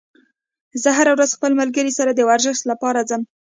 زه هره ورځ خپل ملګري سره د ورزش لپاره ځم